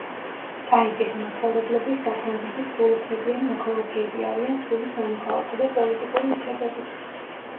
ტაიტის მაცხოვრებლები საფრანგეთის სრულუფლებიანი მოქალაქეები არიან სრული სამოქალაქო და პოლიტიკური უფლებებით.